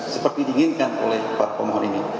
seperti diinginkan oleh para pemohon ini